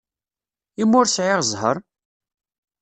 I ma ur sɛiɣ ẓẓher?